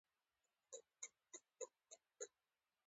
زه ځم چې ور ته خبر ور کړم.